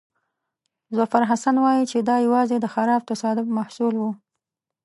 ظفرحسن وایي چې دا یوازې د خراب تصادف محصول وو.